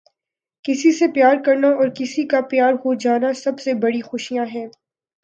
کسی سے پیار کرنا اور کسی کا پیار ہو جانا سب سے بڑی خوشیاں ہیں۔